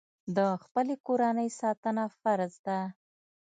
د خپلې کورنۍ ساتنه فرض ده.